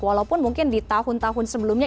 walaupun mungkin di tahun tahun sebelumnya